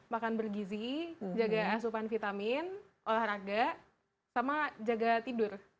makan bergizi jaga asupan vitamin olahraga sama jaga tidur